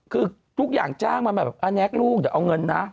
คือทุกอย่างจ้างมาแบบอแน็กลูกเดี๋ยวเอาเงินนะ